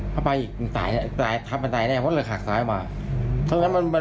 ถ้าไปถังตายได้ก็หลังหากซ้ายออกมา